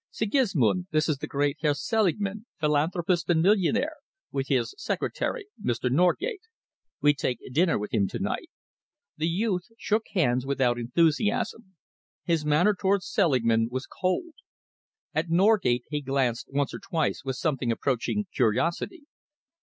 Sigismund, this is the great Herr Selingman, philanthropist and millionaire, with his secretary, Mr. Norgate. We take dinner with him to night." The youth shook hands without enthusiasm. His manner towards Selingman was cold. At Norgate he glanced once or twice with something approaching curiosity.